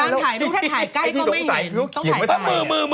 ถ้าถ่ายใกล้ก็ไม่เห็นต้องถ่ายไป